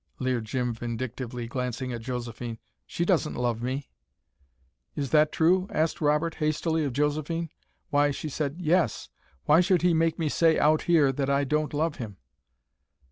leered Jim vindictively, glancing at Josephine. "She doesn't love me." "Is that true?" asked Robert hastily, of Josephine. "Why," she said, "yes. Why should he make me say out here that I don't love him!"